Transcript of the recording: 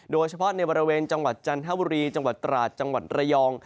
โดยเฉพาะในบริเวณจังหวัดจันทบุรีจังหวัดตราดจังหวัดระยอง